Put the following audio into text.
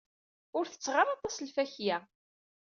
Ur tetteɣ ara aṭas n lfakya.